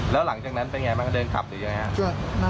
แล้วหลังจากนั้นเป็นยังไงมั้งจะเดินขับหรือยังไง